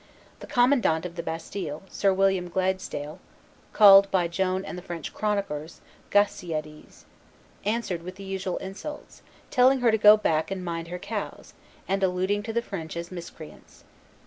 The commandant of the bastille, Sir William Gladesdale [called by Joan and the French chroniclers Glacidas], answered with the usual insults, telling her to go back and mind her cows, and alluding to the French as miscreants.